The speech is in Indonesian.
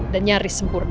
dan nyaris sempurna